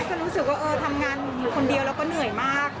ก็รู้สึกว่าเออทำงานอยู่คนเดียวแล้วก็เหนื่อยมาก